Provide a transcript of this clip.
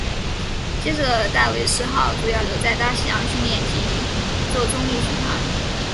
接着戴维斯号主要留在大西洋训练及作中立巡航。